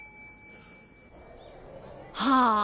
はあ？